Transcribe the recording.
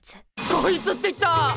「こいつ」って言った！